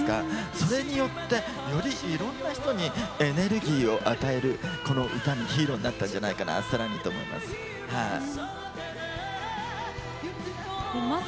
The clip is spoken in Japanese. それによって、よりいろんな人にエネルギーを与えるこの歌にヒーローになったんじゃないかなさらにと思いました。